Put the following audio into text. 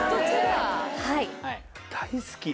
大好き。